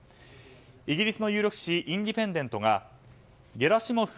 イギリスの有力紙インディペンデントがゲラシモフ